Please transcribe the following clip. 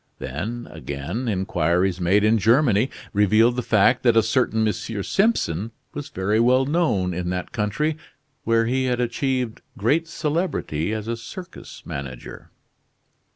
Then again, inquiries made in Germany revealed the fact that a certain M. Simpson was very well known in that country, where he had achieved great celebrity as a circus manager.